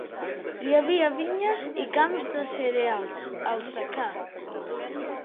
Hi havia vinyes i camps de cereals, al secà.